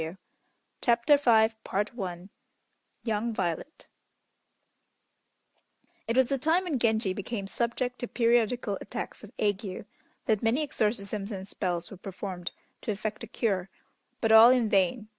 ] CHAPTER V YOUNG VIOLET It was the time when Genji became subject to periodical attacks of ague, that many exorcisms and spells were performed to effect a cure, but all in vain.